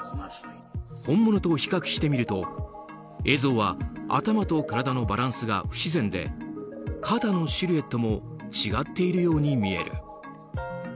本物と比較してみると映像は頭と体のバランスが不自然で肩のシルエットも違っているように見える。